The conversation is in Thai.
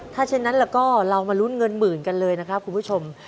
ถ้าเช่นนั้นแล้วก็เรามาลุ้นเงินหมื่นกันเลยนะครับคุณผู้ชม